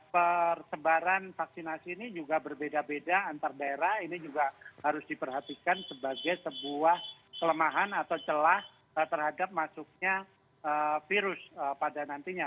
persebaran vaksinasi ini juga berbeda beda antar daerah ini juga harus diperhatikan sebagai sebuah kelemahan atau celah terhadap masuknya virus pada nantinya